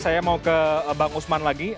saya mau ke bang usman lagi